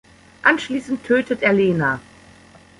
Anschließend tötet er Lena.